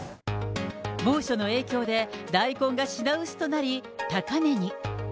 猛暑の影響で大根が品薄となり高値に。